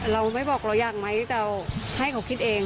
เราไม่บอกเราอยากไหมแต่ให้เขาคิดเอง